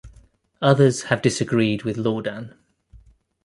Others have disagreed with Laudan.